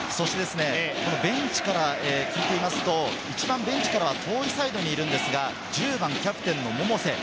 そしてベンチから聞いていますと、一番ベンチからは遠いサイドにいるんですが、１０番・キャプテンの百瀬。